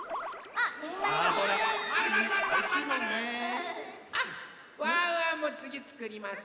あっワンワンもつぎつくります。